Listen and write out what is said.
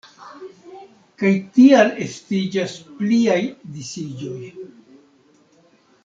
Kaj tial estiĝas pliaj disiĝoj.